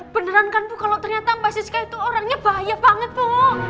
beneran kan bu kalau ternyata mbak siska itu orangnya bahaya banget kok